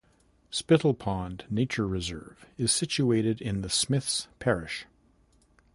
Spittal Pond Nature Reserve is situated in the Smith's Parish.